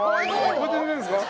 こうやって寝てるんですか？